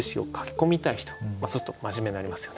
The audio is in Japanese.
そうすると真面目になりますよね。